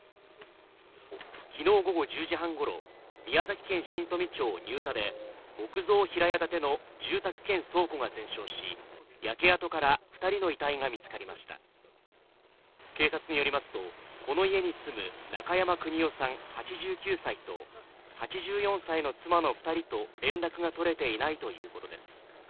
昨日午後１０時半ごろ宮崎県新富町新田で木造平屋建ての住宅兼倉庫が全焼し焼け跡から二人の遺体が見つかりました警察によりますとこの家に住む中山邦男さん８９歳と８４歳の妻の二人と連絡が取れていないということです